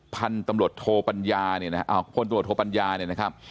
พันธ์ตำรวจโทพัญญาเนี่ยนะครับ